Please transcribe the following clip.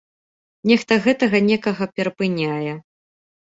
Нехта гэтага некага перапыняе.